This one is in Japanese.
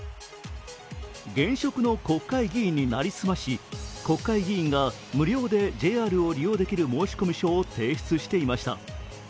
現職の国会議員になりすまし国会議員が無料でＪＲを利用できる申込書を提出していました。